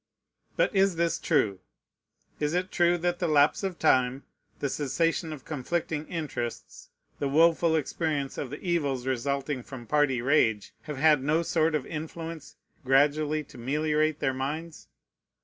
But is this true? Is it true that the lapse of time, the cessation of conflicting interests, the woful experience of the evils resulting from party rage, have had no sort of influence gradually to meliorate their minds?